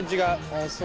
あっそう。